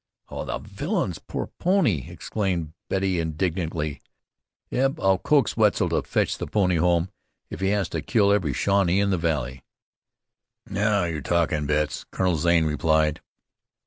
"Oh, the villains! Poor pony," exclaimed Betty indignantly. "Eb, I'll coax Wetzel to fetch the pony home if he has to kill every Shawnee in the valley." "Now you're talking, Betts," Colonel Zane replied.